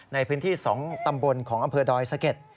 ในพื้นที่๒ตำบลของอำเภอดอยสะเก็ด